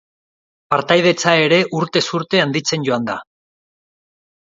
Partaidetza ere urtez urte handitzen joan da.